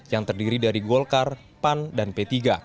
yang terdiri dari golkar pan dan p tiga